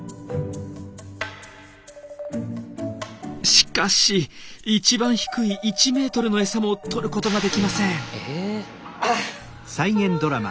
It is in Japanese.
しかし一番低い１ｍのエサもとることができません。